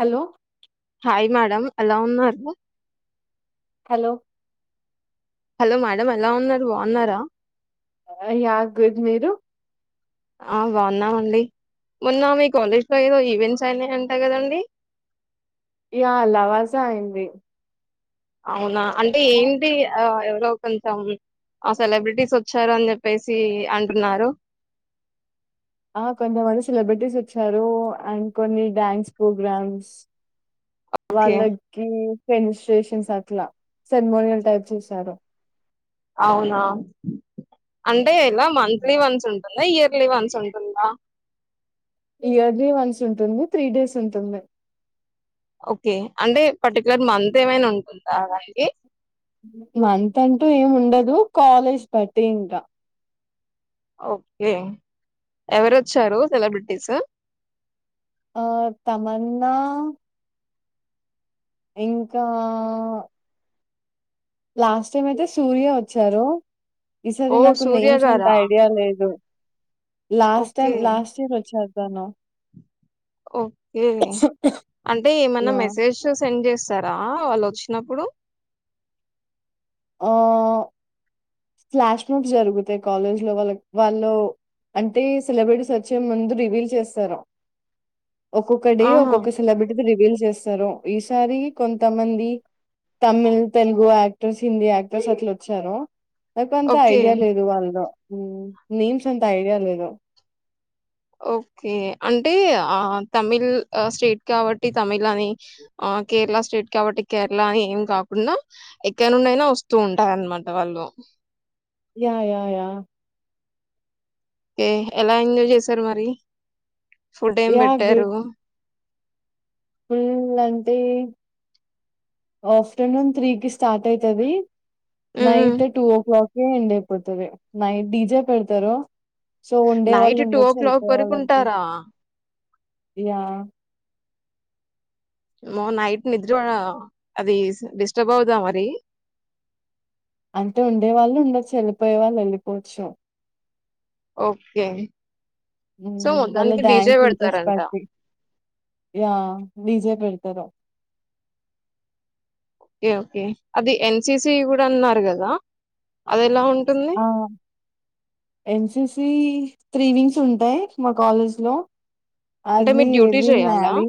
Hello hi madam. ఎలా ఉన్నారు? Hello hello madam. ఎలా ఉన్నారు? బావున్నారా. ఆ యా గుడ్ మీరు ఆ బాగున్నామండి. మొన్న మీ కాలేజ్ లో ఏవో ఈవెంట్స్, అయినయి అంట కదండీ. యా లావాజ అయింది. అవునా అంటే ఏంటి ఆ ఎవరో కొంచెం, ఆ సెలబ్రిటీస్ వచ్చారు అని చెప్పేసి అంటున్నారు. ఆ కొంతమంది సెలబ్రిటీస్ వచ్చారు. అండ్ కొన్ని డ్యాన్స్ ప్రోగ్రామ్స్, ఓకే. వాళ్ళకి రిజిస్ట్రేషన్స్ అట్లా, సెర్మోనియల్ టైప్ చేశారు. అవునా అన్ అంటే ఎలా మంత్లీ వన్స్ ఉంట్ టుందా. ఇయర్లీ వన్స్ ఉంటుందా? ఇయర్లీ వన్స్ ఉంటుంది. త్రీ డేస్ ఉంటుంది. ఓకే అంటే పర్టికులర్ మంత్, ఏమైనా ఉంటుందా దానికి, మంత్ అంటూ ఏం ఉండదు. కాలేజ్ బట్టి ఇంకా ఓకే ఎవరు వోచ్చారు సెలబ్రిటీస్. ఆ తమన్నా ఇంకా ఆ లాస్ట్ టైం అయితే సూర్య వచ్చారు ఈసారి ఓహ్! నాకు సూర్య నేమ్స్ అంత గారా? ఐడియా లేదు last okay. Time, last year వోచ్చారు తనో ఓకే అంటే ఏమన్నా యాహ్! మెసేజ్ సెండ్ చెస్ స్తారా వాళ్ళు వచ్చినప్పుడు. ఆ ఫ్లాష్ మాబ్ జరుగుతాయి. కాలేజ్ లో వాళ్ళ, వాళ్ళు అంటే సిలబటీస్ వచ్చే ముందు రివీల్ చేస్తారు. ఒక్కొక్క డే ఆహా! ఒక్కొక్క సెలబ్రిటీ రివీల్ చేస్ ఈసారి కొంతమంది తమిళ్ తెలుగు యాక్టర్స్ హిందీ యాక్టర్స్ అట్లు వచ్చారు నాక్ అంత ఓకే. ఐడియా లేదు వాళ్లు నేమ్స్ అంత ఐడియా లేదు ఓకే అంటే ఆ తమిళ్ స్టేట్ కాబట్టి తమిళ్ అని ఆ కేరళ స్టేట్ కాబట్టి కేరళ అని ఏం కాకుండా ఎక్కడ నుండిఅయినా వస్తూ ఉంటారన్నమాట వాళ్ళు యా యా యా ఓకే ఎలా ఎంజాయ్ చేసారు మరి ఫుడ్ ఏం యాహ్! పెట్టారు గుడ్ ఫుల్ అంటే ఆఫ్టర్నూన్ త్రీకిి స్టార్ట్ అయితది హ్మ్. హ్మ్. Night two o'clock end అయిపోతదీ నైట్ డిజే పెడతారు సో ఉండే వాళ్ళు నైట్ టూ ఓ ఉండొచ్చు క్లాక్ వెళ్ళిపోయే వరకు వాళ్ళు వెళ్ళిపో ఉంటారా యా అమ్మో నైట్ నిద్ర అది డిస్టర్బ్ అవుదా మరి అంటే ఉండే వాళ్ళు ఉండొచ్చు వెళ్ళిపోయే వాళ్ళు వెళ్ళిపోవచ్చు ఓకే సో, వాళ్ళ మొత్తానికి డీజే డ్యాన్స్ ఇంట్రెస్ట్ బెడతారంట. బట్టి ఆ డీజే పెడిత తరు ఓకే ఓకే అది ఎన్సిసి కూడా అన్నారు కదా అది ఎలా ఉంటుంది ఎన్సిసి త్రీ వింగ్స్ ఉంటాయి మా కాలేజ్ లో అంటే అవి మీరు డ్యూటీ ఏవి చేయాలా నావి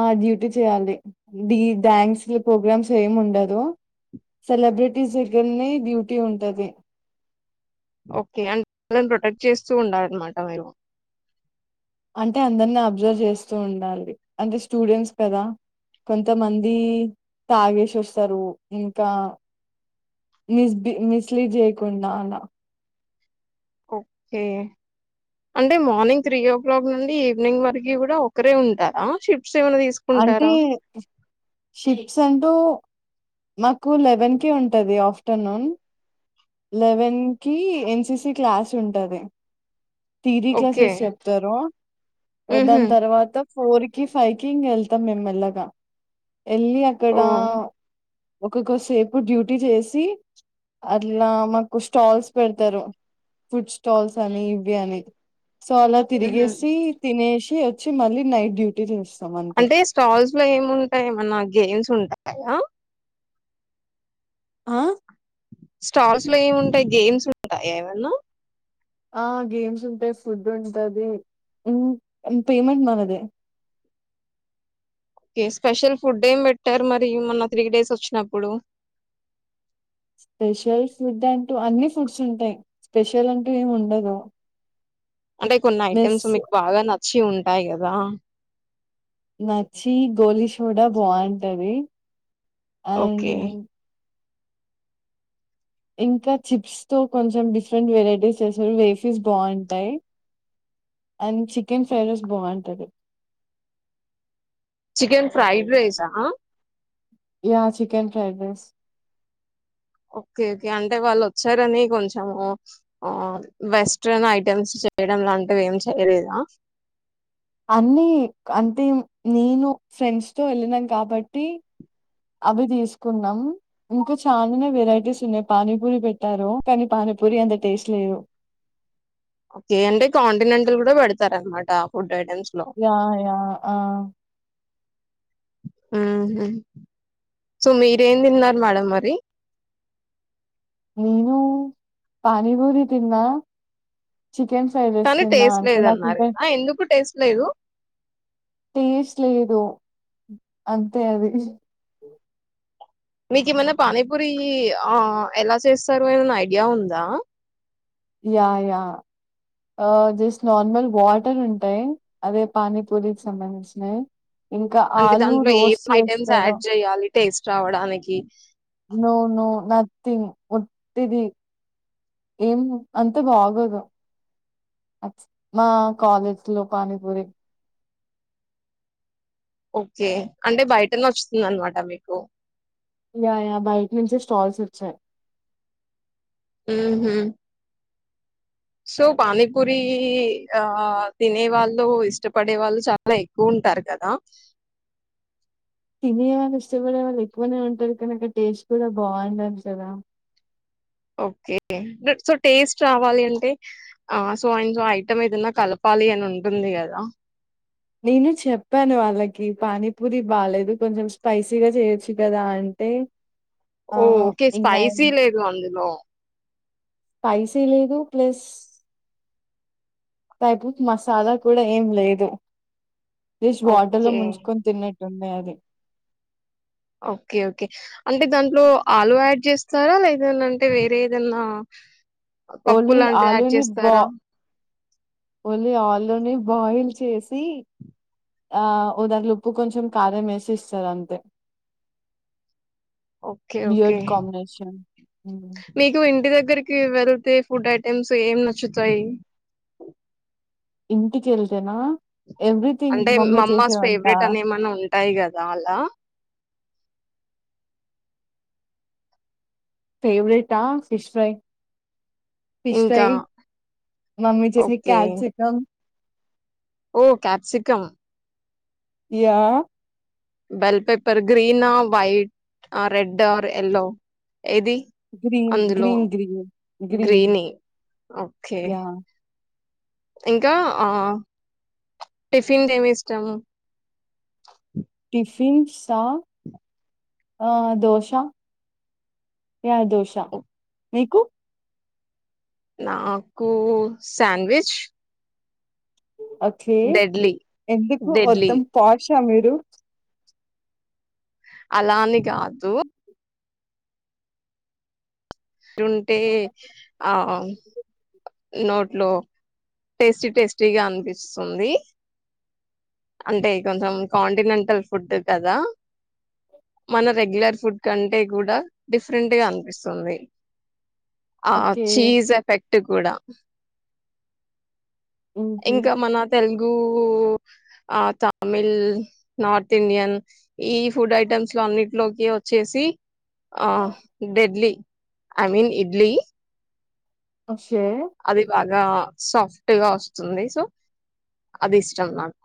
ఆ డ్యూటీ చేయాలి డి డ్యాన్స్ ప్రోగ్రామ్స్ ఏమి ఉండదు సెలబ్రిటీస్ దగ్గరనే డ్యూటీ ఉంటది ఓకే అంటే వాళ్ళని ప్రొటెక్ట్ చేస్తూ ఉండాలన్నమాట మీరు అంటే అందరిని అబ్జర్వ్ చేస్తూ ఉండాలి అంటే స్టూడెంట్స్ కదా కొంతమంది తాగేసి వస్తారు ఇంకా మిస్బి మిస్లీడ్ చేయకుండా అలా ఓకే అంటే మార్నింగ్ త్రీ ఓ క్లాక్ నుండి ఈవినింగ్ వరకు కూడా ఒకరే ఉంటారా షిఫ్ అంటే షిఫ్ట్స్ అంటూ మాకు లెవెన్ కి ఉంటది ఆఫ్టర్నూన్ లెవెన్ కి ఎన్సిసి క్లాస్ ఉంటది థియరీ ఓకే క్లాసెస్ చెప్తారు మ్హూ. దాని తర్వాత ఫోర్ కి ఫైవ్ కి కింగ్ వెళ్తాం మేమెల్లగా వెళ్ళి అక్కడ ఓ ఒక్కొక్కసేపు డ్యూటీ చేసి అట్లా మాకు స్టాల్స్ పెడతారు ఫుడ్ స్టాల్స్ అని ఇవి అని సో అలా మ్హూ. తిరిగేసి తినేసి చ్చ మళ్ళీ నైట్ డ్యూటీ చేస్తాం అంతే. అంటే స్టాల్స్ లో ఏమి ఉంటాయ ఏమన్నా గేమ్స్ ఉంటాయి అయా ఆ స్టాల్స్ లో ఏముంటాయి గేమ్స్ ఉంటాయా ఏమన్నా ఆ గేమ్స్ ఉంటాయి ఫుడ్ ఉంటది పేమెంట్ మనదే ఓకే స్పెషల్ ఫుడ్ ఏం పెట్టరు మరి మొన్న త్రీ డేస్ వచ్చినప్పుడు స్పెషల్ ఫుడ్ అంటూ అన్ని ఫుడ్స్ ఉంటాయి స్పెషల్ అంటూ ఏమి ఉండదు అంటే కొన్ని మెస్ ఐటెమ్స్ మీకు బాగా నచ్చి ఉ టాయి కదా నచ్చి గోలి సోడా బాగుంటది అవును ఓకే. ఇంకా చిప్స్ తో కొంచెం డిఫరెంట్ వెరైటీస్ చేస్తారు వేఫీస్ బాగుంటాయి అండ్ చికెన్ ఫ్రైడ్ రైస్ బాగుంటది చికెన్ ఫ్రైడ్ రైసా yeah chicken fried rice okay okay అంటే వాళ్ళు వచ్చారని కొంచము ఆ వెస్ట్రన్ ఐటమ్స్ చేయడం లాంటివి ఏం చేయలేదా అన్ని అంటే నేను ఫ్రెండ్స్ తో వెళ్ళినం కాబట్టి అవి తీసుకున్నాం ఇంకా చాలానే వెరైటీస్ ఉన్నాయి పానీపూరి పెట్టారు కానీ పానీపూరి ఎంత టేస్ట్ లేదు ఓకే అంటే కాంటినెంటల్ కూడా పెడతార అనమాట ఆ ఫుడ్ అ యా యా ఆ ఉహు సో మీరేం తిన్నారు మేడం మరి నేను పానీపూరి తిన్నా చికెన్ ఫ్రై రైస్ కానీ తిన్నా. టేస్ట్ అంతే లేదన్నారు నాకింకా ఆ ఎందుకు టేస్ట్ లేదు టేస్ట్ లేదు అంతే అది మీకు ఏమైన్నా పానీపూరి ఆ ఎలా చేస్తారు ఏమైనా ఐడియా ఉందా yeah yeah just normal water ఉంటాయి అదే పానీపూరికి సంబంధించినయి ఇంకా అంటే ఆలు దాంట్లో ఏం రోస్ట్ ఐటెమ్స్ చేస్తారు యాడ్ చేయాలి టేస్ట్ రావడానికి నువునువు నా ంగ్ ఒట్టిది ఏం అంత బాగోదు మా కాలేజ్ లో పానీపూరి ఓకే అంటే బయటనే నచ్చుతుంది అనమాట మీకు యా యా బయట నుంచి స్టాల్స్ వచ్చాయి ఉహు సో పానీపూరి ఆ తినే వాళ్ళు ఇష్టపడే వాళ్ళు చాలా ఎక్కువ ఉంటారు కదా తినే వాళ్ళు ఇష్టపడే వాళ్ళు ఎక్కువనే ఉంటారు కాని టేస్ట్ కూడా బాగుండాలి కదా ఓకే సో టేస్ట్ రావాలి అంటే ఆ సో అండ్ సో ఆయన ఐటం ఏదన్నా కలపాలి అని ఉంటుంది కదా నేను చెప్పాను వాళ్ళకి పానీపూరి బాలేదు కొంచెం స్పైసీగా చేయొచ్చు కదా అంటే ఆ ఓ ఓకే ఇంకా స్పైసీ లేదు అందులో స్పైసీ లేదు ప్లస్ టైపుతి మసాలా కూడా ఏం లేదు జస్ట్ వాటర్లో ఓకే ముంచుకొని తిన్న తొంబై అది ఓకే ఓకే అంటే దాంట్లో ఆలు యాడ్ చేస్తారా లేద అంటే వేరే ఏదన్నా పప్పు ఓన్లీ లాంటిది యాడ్ ఆలుని బా చేస్తారా ఓన్లీ ఆలు నీ బాయిల్ చేసి ఆ దాంట్లో ఉప్పు కొంచెం కారం వేసి ఇస్తారు అంతే ఓకే ఓకే వియర్డ్ కాంబినేషన్ హ్మ్. మీకు ఇంటి దగ్గరికి వెల్ తే ఫుడ్ ఐటెమ్స్ ఏం నచ్చుతాయి ఇంటికి వెళ్తేనా అంటే మా అమ్మా ఫేవరెట్ అని ఏమన్నా ఉంటా టాయి కదా అలా ఫేవరెట్ ఆ ఫిష్ ఫ్రై ఫిష్ ఇంకా ఫ్రై మమ్మీ చేసే ఓకే కాప్సికం ఓ క్యాప్సికమ్ యా బెల్ పేపర్ గ్రీనా వైట్ ఆ రెడ్ ఆ ఎల్లో ఏది గ్రీన్ అందులో గ్రీన్ గ్రీన్ గ్రీన్ గ్రీని ఓకే యా ఇంకా ఆ టిఫిన్ ఏమి ఇష్టము టిఫిన్ సా దోశ యా దోష మీకు నాకు శండ్విచ్ ఓకే ఎందుకు డెడ్లీ మొత్తం పాష్ క మీరు అల అని కాదు ఉంటే ఆ నోట్లో టేస్టీ టేస్టీగా అనిపిస్తుంది అంటే కొంచెం కాంటినెంటల్ ఫుడ్ కదా మన రెగ్యులర్ ఫుడ్ కంటే కూడా డిఫరెంట్ గా అనిపిస్తుంది ఆ ఓకే చీజ్ ఎఫెక్ట్ ఇటు కూడా మ్మ్ఉహ్మ్ ఇంకా మన తెలుగ్ గు ఆ తమిళ్ నార్త్ ఇండియన్ ఈ ఫుడ్ ఐటమ్స్ లో అన్నింటిలోకి వచ్చేసి ఆ డెడ్లీ ఐ మీన్ ఇడ్లీ ఒష్ అది బాగా సాప్ట్ గా వస్తుంది సో అది ఇష్టం నాకు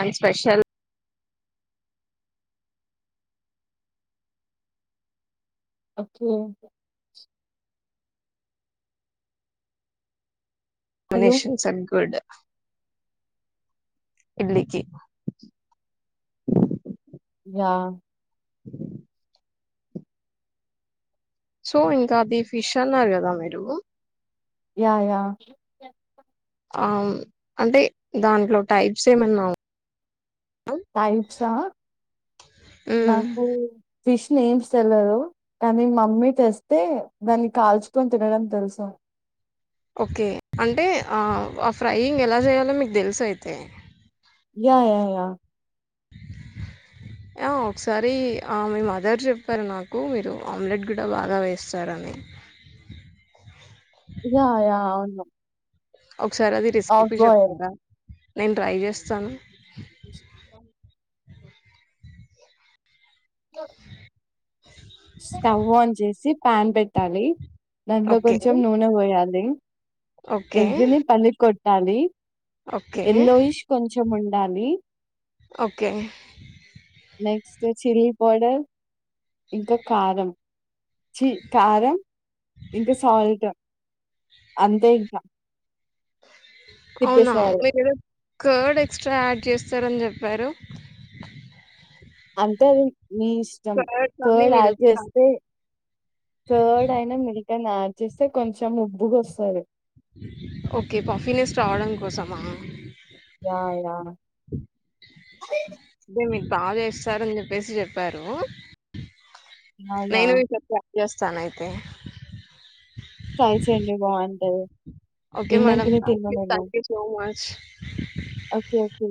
and special okay hello. Finishings are good ఇడ్లీకి యా సో ఇంకా అది ఫిష్ అన్నారు కదా మీరు యా యా ఆ అంటే దాంట్లో టైప్స్ ఏమన్నా టైప్స్ ఆ ఉ నాకు ఫిష్ నేమ్స్ తెలవదు కానీ మమ్మీ తెస్తే దాన్ని కాల్చుకొని తినడం తెలుసు ఓకే అంటే ఆ ఫ్రైయింగ్ ఎలా చేయాలో మీకు తెలుసా అయితే యా యా యా ఒకసారి ఆ మీ మదర్ చెప్పారు నాకు మీరు ఆమ్లెట్ కూడా బాగా వేస్తారని యా యా అవును ఒకసారి అది ఆఫ్ రెసిపీ [inaudible] బాయిల్. చెప్తారా నేను ట్రై చేస్తాను లొ స్టవ్ ఆన్ చేసి పాన్ పెట్టాలి దానిలో ఓకే. కొంచెం నూనె వోయాలి లే ఓకే. ఎగ్ నీ పలి కో చాలి ఓకే. ఎల్లోఇష్ కొంచ చముండాలి. ఓకే నెక్స్ట్ చిల్లి పౌడర్ ఇంకా కారం చీ కారం ఇంకా సాల్ట్ అంతే ఇంక అవునా మీరు కర్డ్ ఎక్స్ట్రా యాడ్ చేస్త స్థర్ అని చెప్పారు. అంతే అది నీ ఇష్టం కానీ, కర్డ్ యాడ్ మిల్క్ చేస్తే కానీ కర్డ్ అయినా మిల్క్ అయిన యా చేస్తే కొంచమ్ ఉప్పుగ వస్తాది. ఓకే పాఫినెస్ రావడం కోసమా యా యా అరే మీకు బాగా ఇస్తారని చెప్పేసి చెప్పారు. యా యా నేను మీక్ చెప్పలా ట్రై చేస్తాను అయితే ట్రై చేయండి బాగుంటది. ఓకే మేడం విన్నాకనే థ్యాంక్ తిన్నా యూ నేను థ్యాంక్ యూ సో మచ్ చ్ఛ్. Okay okay